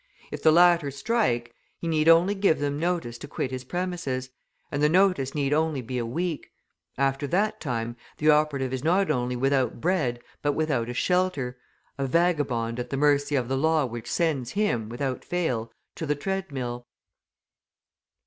If the latter strike, he need only give them notice to quit his premises, and the notice need only be a week; after that time the operative is not only without bread but without a shelter, a vagabond at the mercy of the law which sends him, without fail, to the treadmill.